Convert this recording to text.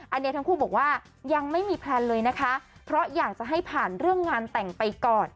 อันนี้ทั้งคู่บอกว่ายังไม่มีแพลนเลยนะคะเพราะอยากจะให้ผ่านเรื่องงานแต่งไปก่อน